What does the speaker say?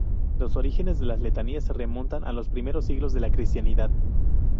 Los orígenes de las letanías se remontan a los primeros siglos de la cristiandad.